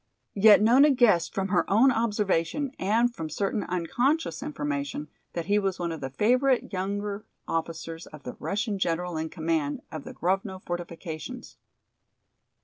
Yet Nona guessed from her own observation and from certain unconscious information that he was one of the favorite younger officers of the Russian general in command of the Grovno fortifications.